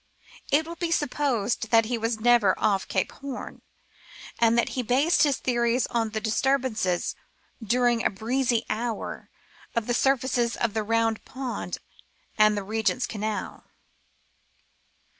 It will be supposed that he was never off Gape Horn, and that he based his theories on the disturbance during a breezy hour of the surfaces of the Bound Pond and the Eegent's Canal.